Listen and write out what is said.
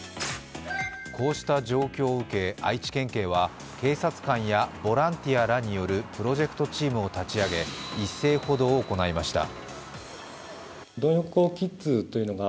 こうした状況を受け愛知県警は、警察官やボランティアらによるプロジェクトチームを立ち上げ、一斉補導を行いました。